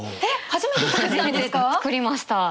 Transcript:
初めて作りました。